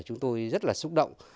chúng tôi rất là xúc động